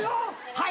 はい。